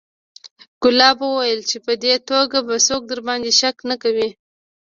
ګلاب وويل چې په دې توګه به څوک درباندې شک نه کوي.